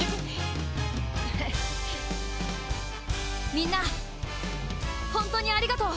みんなホントにありがとう。